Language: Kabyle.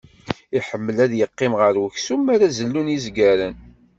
Iḥemmel ad yeqqim ɣer uksum m'ara zellun izgaren.